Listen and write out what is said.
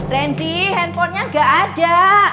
randy handphonenya gak ada